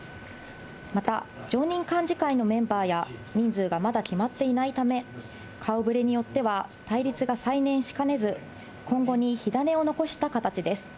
また、常任幹事会のメンバーや人数がまだ決まっていないため、顔ぶれによっては対立が再燃しかねず、今後に火種を残した形です。